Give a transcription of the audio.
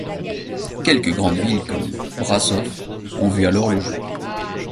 Quelques grandes villes comme Brașov ont vu alors le jour.